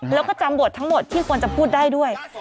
แล้วก็จำบททั้งหมดที่ควรจะพูดได้ด้วย